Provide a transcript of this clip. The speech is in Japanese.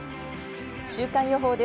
週間予報で